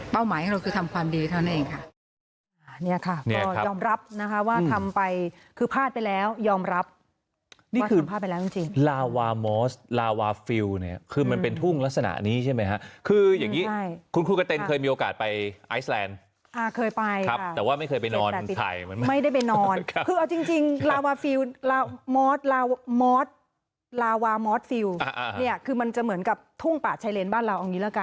หมายของเราคือทำความดีเท่านั้นเองค่ะ